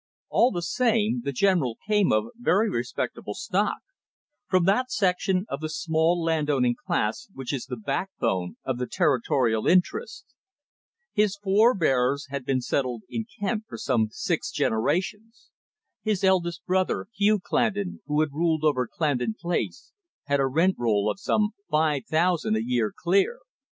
All the same, the General came of very respectable stock, from that section of the small landowning class which is the backbone of the territorial interest. His forbears had been settled in Kent for some six generations. His eldest brother, Hugh Clandon, who had ruled over Clandon Place, had a rent roll of some five thousand a year clear.